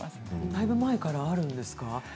だいぶ前からあるんですか？